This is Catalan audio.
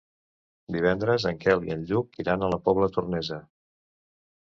Divendres en Quel i en Lluc iran a la Pobla Tornesa.